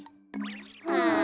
はあ。